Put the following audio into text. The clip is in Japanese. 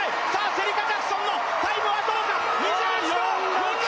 シェリカ・ジャクソンのタイムはどうか２１秒４６！